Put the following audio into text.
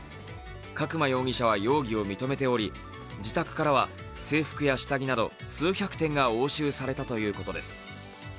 角間容疑者は容疑を認めており、自宅からは制服や下着など数百点が押収されたということです。